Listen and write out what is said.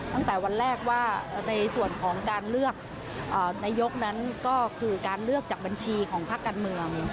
ตั้งแต่วันแรกว่าในส่วนของการเลือกนายกนั้นก็คือการเลือกจากบัญชีของภาคการเมือง